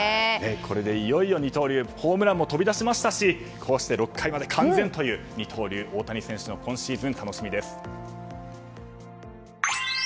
これでいよいよ二刀流ホームランも飛び出しましたしこうして６回まで完全という二刀流の大谷選手の今シーズン、楽しみです。